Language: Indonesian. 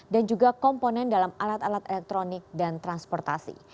dan juga komponen dalam alat alat elektronik dan transportasi